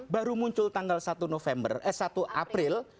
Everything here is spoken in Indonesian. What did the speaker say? baru muncul tanggal satu april